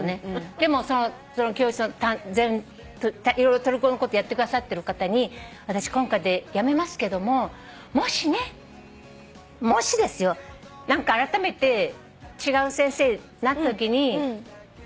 でもその教室の色々トルコ語のことやってくださってる方に私今回でやめますけどももしねもしですよ何かあらためて違う先生になったときに授業が始まることがあったら連絡下さいねって言ったの。